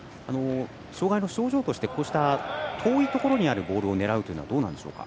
障がいの症状として、こうした遠いところにあるボールを狙うというのはどうなんでしょうか。